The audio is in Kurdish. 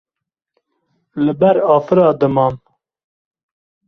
li ber afira dimam